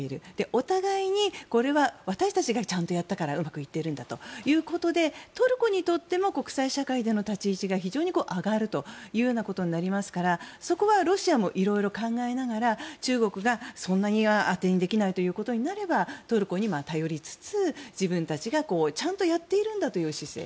お互いにこれは私たちがちゃんとやったからうまくいっているんだということでトルコにとっても国際社会での立ち位置が非常に上がるということになりますからそこはロシアも色々考えながら中国はそんなには当てにならないということになればトルコに頼りつつ自分たちがちゃんとやっているんだという姿勢